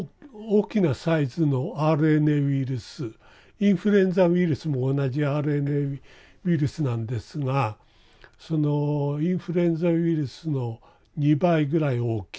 インフルエンザウイルスも同じＲＮＡウイルスなんですがそのインフルエンザウイルスの２倍ぐらい大きい。